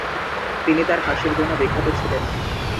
তিনি তার হাসির জন্য বিখ্যাত ছিলেন।